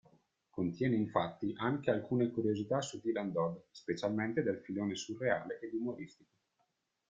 Contiene infatti anche alcune curiosità su Dylan Dog, specialmente del filone surreale ed umoristico.